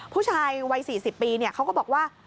ผู้ชายวัย๔๐ปีเขาก็บอกว่า